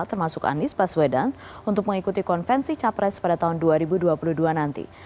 termasuk anies baswedan untuk mengikuti konvensi capres pada tahun dua ribu dua puluh dua nanti